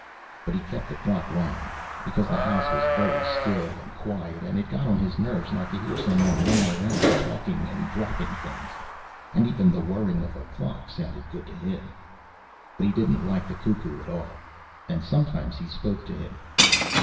But he kept the clock wound, because the house was very still and quiet and it got on his nerves not to hear someone running around, talking and dropping things. And even the whirring of a clock sounded good to him. But he didn't like the cuckoo at all. And sometimes he spoke to him.